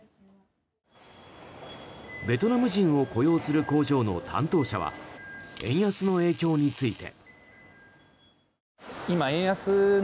ベトナム人を雇用する工場の担当者は円安の影響について。